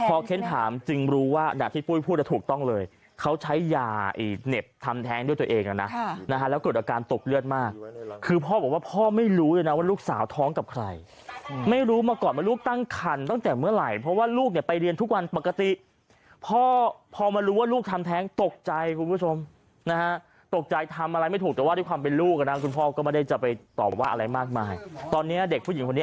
พ่อเค้นถามจริงรู้ว่าที่พูดถูกต้องเลยเขาใช้ยาเน็ตทำแท้งด้วยตัวเองนะแล้วเกิดอาการตกเลือดมากคือพ่อบอกว่าพ่อไม่รู้นะว่าลูกสาวท้องกับใครไม่รู้มาก่อนลูกตั้งคันตั้งแต่เมื่อไหร่เพราะว่าลูกเนี่ยไปเรียนทุกวันปกติพ่อพอมารู้ว่าลูกทำแท้งตกใจคุณผู้ชมนะฮะตกใจทำอะไรไม่ถูกแต่ว่าด้วยคว